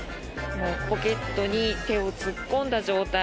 もうポケットに手を突っ込んだ状態。